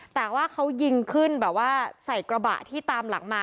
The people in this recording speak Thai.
แต่ว่าเขายิงขึ้นแบบว่าใส่กระบะที่ตามหลังมา